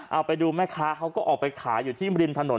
เอาไปดูแม่ค้าเขาก็ออกไปขายอยู่ที่ริมถนน